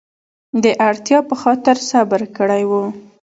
د اړتیا په خاطر صبر کړی و.